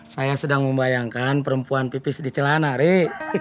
saya sedang membayangkan perempuan pipis di celana rik